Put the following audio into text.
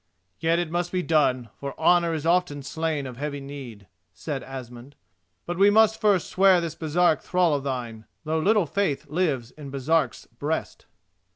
"Yet it must be done, for honour is often slain of heavy need," said Asmund. "But we must first swear this Baresark thrall of thine, though little faith lives in Baresark's breast."